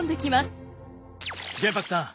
玄白さん